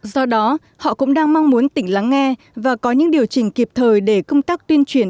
do đó họ cũng đang mong muốn tỉnh lắng nghe và có những điều chỉnh kịp thời để công tác tuyên truyền